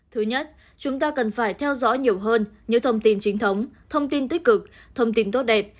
thứ nhất chúng ta cần phải theo dõi nhiều hơn những thông tin chính thống thông tin tích cực thông tin tốt đẹp